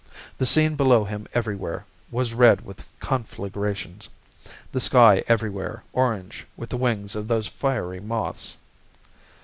The scene below him everywhere was red with conflagrations, the sky everywhere orange with the wings of those fiery moths.